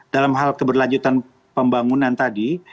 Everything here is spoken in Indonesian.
dalam hal keberlanjutan pembangunan tadi